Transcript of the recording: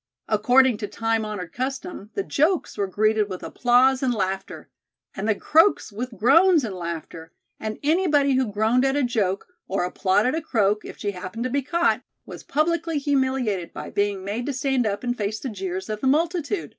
According to time honored custom, the jokes were greeted with applause and laughter, and the croaks with groans and laughter, and anybody who groaned at a joke or applauded a croak, if she happened to be caught, was publicly humiliated by being made to stand up and face the jeers of the multitude.